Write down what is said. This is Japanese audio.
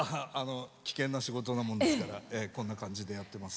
危険な仕事なもんですからこんな感じでやっています。